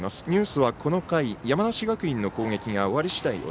ニュースは、この回山梨学院の攻撃が終わりしだい